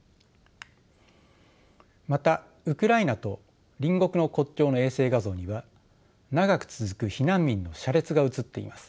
またウクライナと隣国の国境の衛星画像には長く続く避難民の車列が写っています。